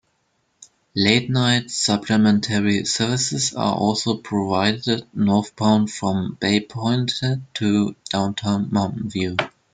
Late night supplementary services are also provided northbound from Baypointe to Downtown Mountain View.